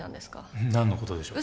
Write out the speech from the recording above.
何のことでしょう？